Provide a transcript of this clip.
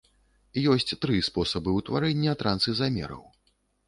Ёсць тры спосабы ўтварэння трансізамераў.